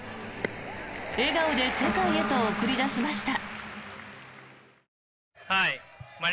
笑顔で世界へと送り出しました。